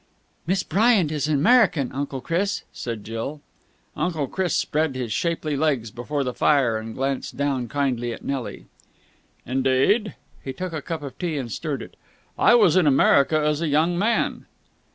"Miss Bryant is American, Uncle Chris," said Jill. Uncle Chris spread his shapely legs before the fire, and glanced down kindly at Nelly. "Indeed?" He took a cup of tea and stirred it. "I was in America as a young man."